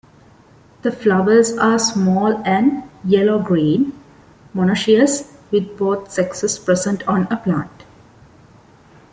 The flowers are small and yellow-green, monoecious with both sexes present on a plant.